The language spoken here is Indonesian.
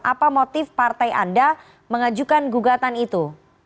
apa motif partai anda mengajukan gugatan itu